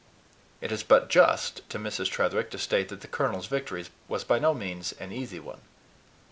It is but just to Mrs. Tretherick to state that the colonel's victory was by no means an easy one.